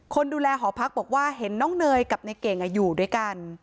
คนดูแลหอพักบอกว่าเห็นน้องเนยกับในเก่งอยู่ด้วยกัน